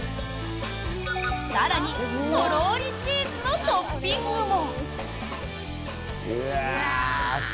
更に、とろーりチーズのトッピングも。